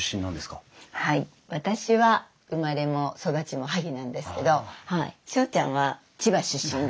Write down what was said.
はい私は生まれも育ちも萩なんですけど省ちゃんは千葉出身です。